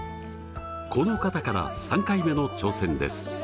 この方から３回目の挑戦です。